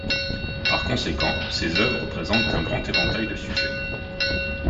Par conséquent, ses œuvres présentent un grand éventail de sujets.